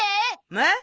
えっ？